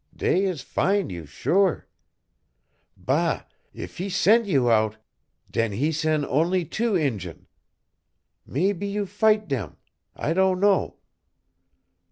Dey is fine you sure. Bâ, eef he sen' you out, den he sen' onlee two Injun. Maybee you fight dem; I don' know.